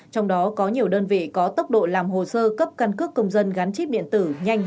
trong đó có nhiều đơn vị có tốc độ làm hồ sơ cấp căn cước công dân gắn chip điện tử nhanh